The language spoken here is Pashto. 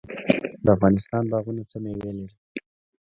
د افغانستان باغونه څه میوې لري؟